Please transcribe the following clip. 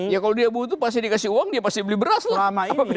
ya kalau dia butuh pasti dikasih uang dia pasti beli beras selama ini